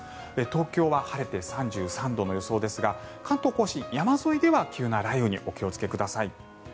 東京は晴れて３３度の予想ですが関東・甲信山沿いでは急な雷雨にお気をつけください。